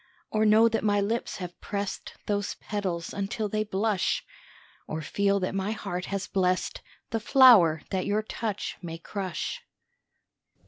Or know that my lips have pressed Those petals until they blush, Or feel that my heart has blessed The flower that your touch may crush?